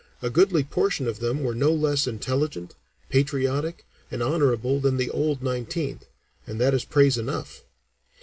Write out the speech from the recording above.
"A goodly portion of them were no less intelligent, patriotic, and honorable than the 'old' Nineteenth and that is praise enough.